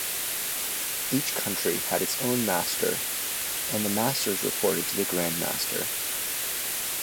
Each country had its own Master, and the Masters reported to the Grand Master.